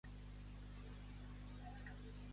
No fem música per sempre.